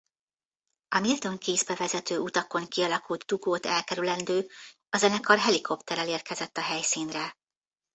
A Milton Keysbe vezető utakon kialakult dugót elkerülendő a zenekar helikopterrel érkezett a helyszínre.